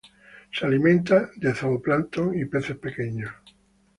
Se alimenta de zooplancton y peces pequeños.